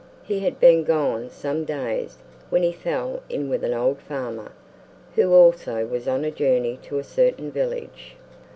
He had been gone some days, when he fell in with an old farmer, who also was on a journey to a certain village.